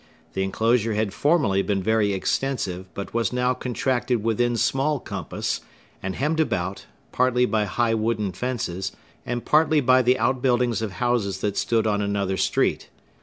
The enclosure had formerly been very extensive, but was now contracted within small compass, and hemmed about, partly by high wooden fences, and partly by the outbuildings of houses that stood on another street.